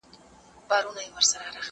زه اوږده وخت مېوې راټولوم وم!؟